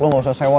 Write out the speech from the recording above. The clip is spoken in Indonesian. lo gak usah sewat